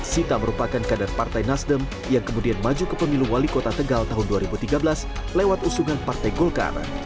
sita merupakan kader partai nasdem yang kemudian maju ke pemilu wali kota tegal tahun dua ribu tiga belas lewat usungan partai golkar